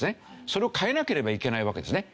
それを変えなければいけないわけですね。